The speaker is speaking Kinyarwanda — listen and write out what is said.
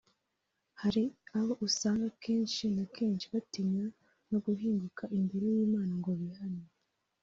Hari abo usanga kenshi na kenshi batinya no guhinguka imbere y’Imana ngo bihane